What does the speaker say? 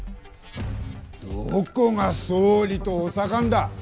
どこが総理と補佐官だ。